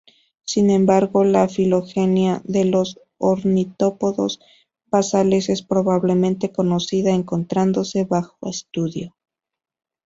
Sin embargo, la filogenia de los ornitópodos basales es pobremente conocida, encontrándose bajo estudio.